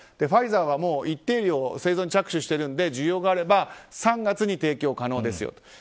ファイザーは一定量製造に着手しているので需要があれば３月に提供可能ですよと。